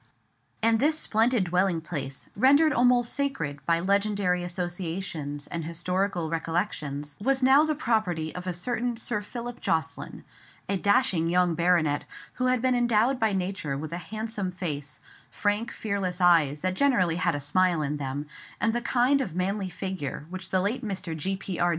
And this splendid dwelling place, rendered almost sacred by legendary associations and historical recollections, was now the property of a certain Sir Philip Jocelyn—a dashing young baronet, who had been endowed by nature with a handsome face, frank, fearless eyes that generally had a smile in them, and the kind of manly figure which the late Mr. G.P.R.